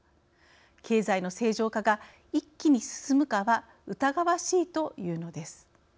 経済の正常化が一気に進むかは疑わしいというのです。